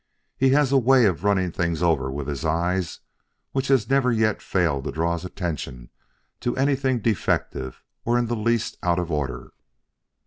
He has a way of running things over with his eye which has never yet failed to draw his attention to anything defective or in the least out of order."